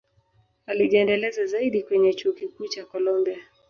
alijiendeleza zaidi kwenye chuo Kikuu cha colombia